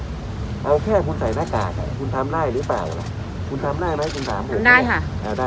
เอาแค่คุณใส่หน้ากากคุณทำได้มั้ยคุณได้ค่ะ